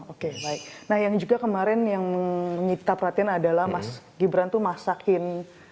oke baik nah yang juga kemarin yang menyita perhatian adalah mas gibran tuh masakin